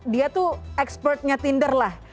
dia tuh expert nya tinder lah